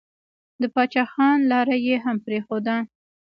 د پاچا خان لاره يې هم پرېښوده.